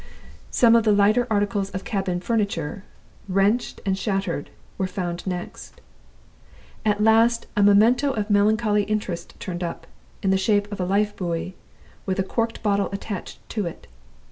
Some of the lighter articles of cabin furniture, wrenched and shattered, were found next. And, lastly, a memento of melancholy interest turned up, in the shape of a lifebuoy, with a corked bottle attached to it.